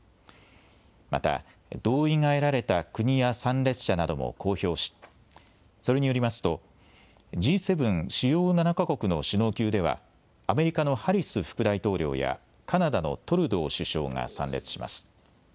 また同意が得られた国や参列者なども公表しそれによりますとＧ７・主要７か国の首脳級ではアメリカのハリス副大統領やカナダのトルドー首相が参列します。